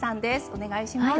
お願いします。